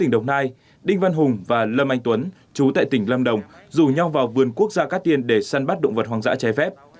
đinh văn hùng và lâm anh tuấn chú tại tỉnh lâm đồng rủ nhau vào vườn quốc gia cát tiên để săn bắt động vật hoang dã cháy phép